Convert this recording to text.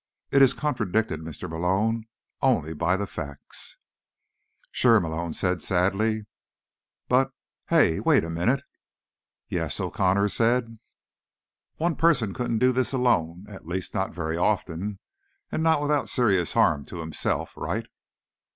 It is contradicted, Mr. Malone, only by the facts." "Sure," Malone said sadly. "But—hey. Wait a minute." "Yes?" O'Connor said. "One person couldn't do this alone, at least, not very often and not without serious harm to himself. Right?"